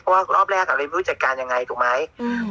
เพราะว่ารอบแรกอ่ะเลยไม่รู้จัดการยังไงถูกไหมอืม